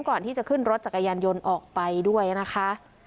ก่อนที่จะขึ้นรถจักรยานยนต์ออกไปด้วยนะคะ